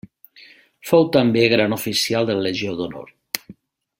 Fou també Gran oficial de la Legió d'Honor.